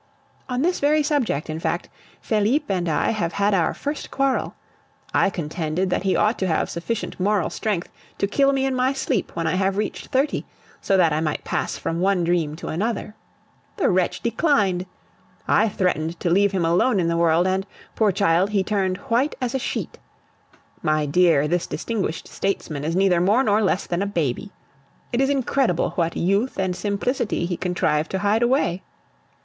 On this very subject, in fact, Felipe and I have had our first quarrel. I contended that he ought to have sufficient moral strength to kill me in my sleep when I have reached thirty, so that I might pass from one dream to another. The wretch declined. I threatened to leave him alone in the world, and, poor child, he turned white as a sheet. My dear, this distinguished statesman is neither more nor less than a baby. It is incredible what youth and simplicity he contrived to hide away.